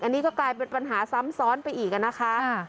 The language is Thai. อันนี้ก็กลายเป็นปัญหาซ้ำซ้อนไปอีกนะคะ